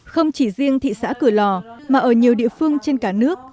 không chỉ riêng thị xã cửa lò mà ở nhiều địa phương trên cả nước